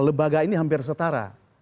lembaga ini hampir setara